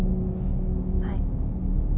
はい。